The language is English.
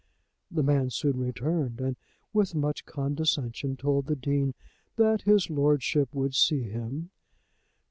The man soon returned, and with much condescension told the Dean that his lordship would see him.